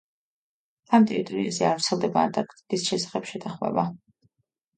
ამ ტერიტორიაზე არ ვრცელდება ანტარქტიდის შესახებ შეთანხმება.